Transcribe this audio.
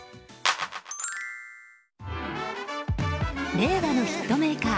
令和のヒットメーカー